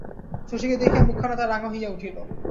শশীকে দেখিয়া মুখখানা তার রাঙা হইয়া উঠিল।